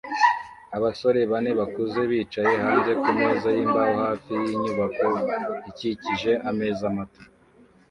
Abasore bane bakuze bicaye hanze kumeza yimbaho hafi yinyubako ikikije ameza mato